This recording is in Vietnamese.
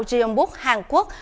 gion book hàn quốc